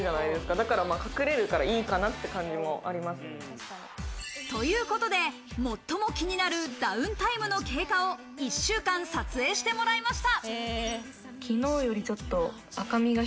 だから隠れるから、いいかなって感じもありますね。ということで最も気になるダウンタイムの経過を１週間撮影してもらいました。